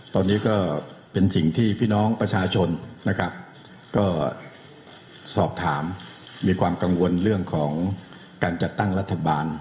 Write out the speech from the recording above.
ที่พี่น้องประชาชนก็สอบถามมีความกังวลเรื่องของการจัดตั้งรัฐบาล